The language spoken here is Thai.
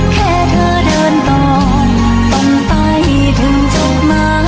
แค่เธอเดินต่อต้องไปถึงเจ้ามา